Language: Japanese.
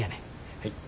はい。